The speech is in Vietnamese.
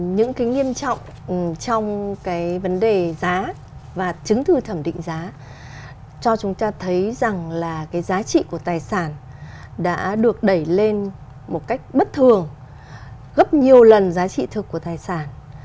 những cái nghiêm trọng trong cái vấn đề giá và chứng thư thẩm định giá cho chúng ta thấy rằng là cái giá trị của tài sản đã được đẩy lên một cách bất thường gấp nhiều lần giá trị thực của tài sản